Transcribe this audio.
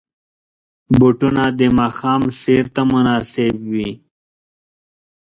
بوټونه د ماښام سیر ته مناسب وي.